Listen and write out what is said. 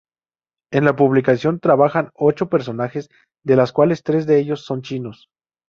En la publicación trabajan ocho personas, de las cuales tres de ellos son chinos.